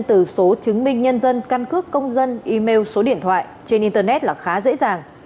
từ số chứng minh nhân dân căn cước công dân email số điện thoại trên internet là khá dễ dàng